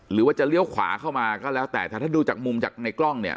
หรือว่าจะเลี้ยวขวาเข้ามาก็แล้วแต่แต่ถ้าดูจากมุมจากในกล้องเนี่ย